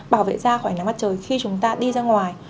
bảo vệ da khỏi nắng mắt trời khi chúng ta đi ra ngoài